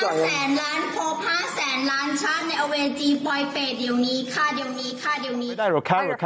ห้าแสนล้านครบห้าแสนล้านชาติในเอาเวอร์จีปล่อยเป็นเดี๋ยวนี้ค่ะ